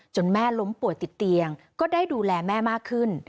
แม่ล้มป่วยติดเตียงก็ได้ดูแลแม่มากขึ้น